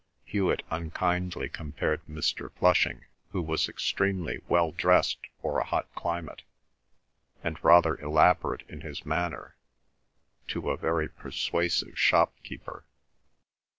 Hewet unkindly compared Mr. Flushing, who was extremely well dressed for a hot climate, and rather elaborate in his manner, to a very persuasive shop keeper.